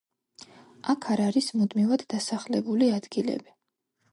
აქ არ არის მუდმივად დასახლებული ადგილები.